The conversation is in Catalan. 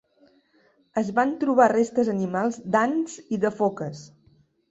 Es van trobar restes animals d'ants i de foques.